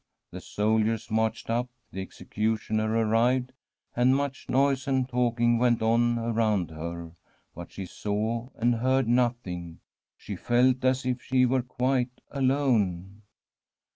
The soldiers marched up, the execu tioner arrived, and much noise and talking went on around her ; but she saw and heard nothing. She felt as if she were quite alone.